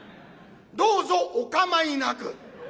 「どうぞお構いなく」。